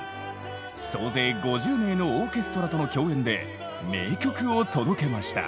総勢５０名のオーケストラとの共演で名曲を届けました。